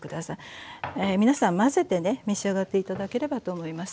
皆さん混ぜてね召し上がって頂ければと思います。